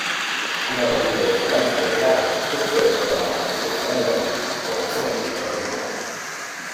Una petita influència eslava s'observa tant al component lèxic com al fonètic de la llengua.